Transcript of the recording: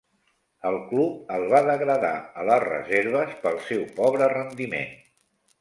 El club el va degradar a les reserves pel seu pobre rendiment.